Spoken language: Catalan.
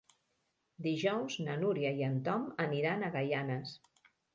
Dijous na Núria i en Tom aniran a Gaianes.